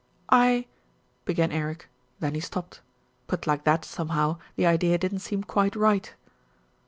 "I " began Eric, then he stopped. Put like that, somehow, the idea didn't seem quite right.